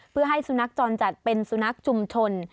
เพื่อให้สุนัขจรจัดเป็นสุนัขชุมชน